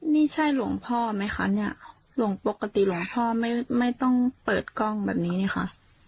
นี่ใช่หลวงพ่อไหมคะเนี่ยหลวงปกติหลวงพ่อไม่ไม่ต้องเปิดกล้องแบบนี้นี่ค่ะ